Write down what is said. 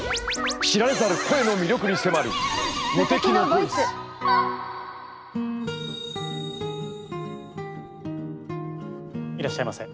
知られざる声の魅力に迫るいらっしゃいませ。